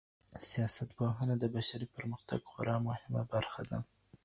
سياست پوهنه د بشري پرمختګ خورا مهمه برخه ده.